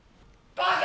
バカ。